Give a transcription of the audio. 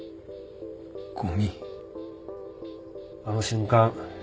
あの瞬間